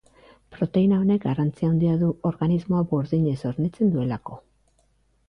Proteina honek garrantzi handia du organismoa burdinez hornitzen duelako.